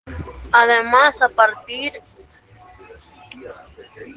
Además, ha participado en procesos de capacitación en temas jurídicos y judiciales.